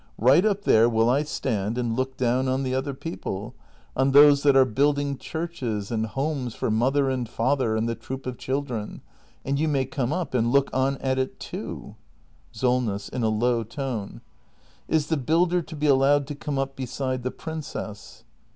Right up there will I stand and look down on the other people — on those that are building act in] THE MASTER BUILDER 407 churches, and homes for mother and father and the troop of children. And you may come up and look on at it, too. SOLNESS. [In a low tone.] Is the builder to be allowed to come up beside the princess